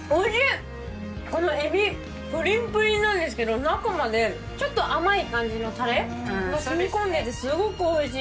このエビぷりんぷりんなんですけど中までちょっと甘い感じのタレが染み込んでてすごくおいしい。